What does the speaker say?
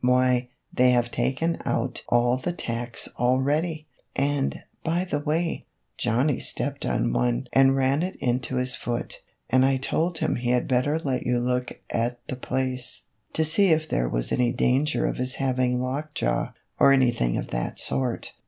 Why, they have taken out all the tacks already ; and, by the way, Johnny stepped on one and ran it into his foot, and I told him he had better let you look at the place, to see if there was any danger of his having lockjaw, or anything of that sort."